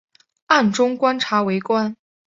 暗中观察围观